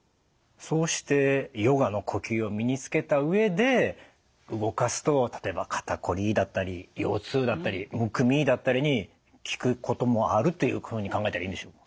そうしてヨガの呼吸を身につけた上で動かすと例えば肩こりだったり腰痛だったりむくみだったりに効くこともあるというふうに考えたらいいんでしょう？